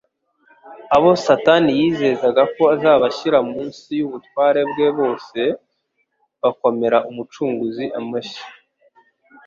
abo Satani yizezaga ko azabashyira munsi y'ubutware bwe bose bakomera Umucunguzi amashyi.